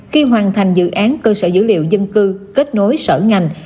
khi hoàn thành dự án cơ sở dữ liệu dân cư kết nối sở ngành